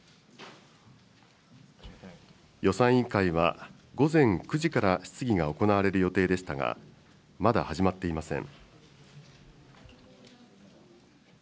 予算委員会は午前９時から質疑が行われる予定でしたが、まだ始まっていません。